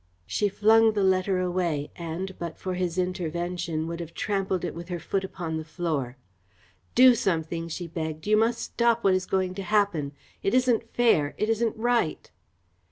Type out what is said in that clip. She flung the letter away and, but for his intervention, would have trampled it with her foot upon the floor. "Do something!" she begged. "You must stop what is going to happen. It isn't fair. It isn't right!"